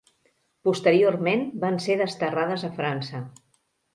Posteriorment van ser desterrades a França.